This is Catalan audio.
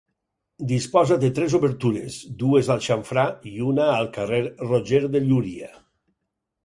Disposa de tres obertures: dues al xamfrà i una al carrer Roger de Llúria.